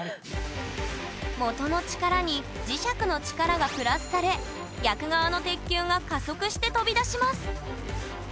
元の力に磁石の力がプラスされ逆側の鉄球が加速して飛び出します